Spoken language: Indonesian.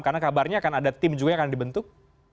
karena kabarnya akan ada tim juga yang akan dibentuk